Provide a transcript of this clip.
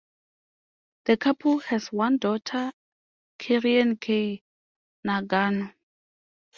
The couple has one daughter, Karin Kei Nagano.